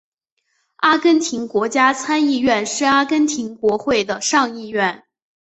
阿根廷国家参议院是阿根廷国会的上议院。